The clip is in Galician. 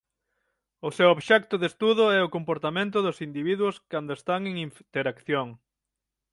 O seu obxecto de estudo é o comportamento dos individuos cando están en interacción.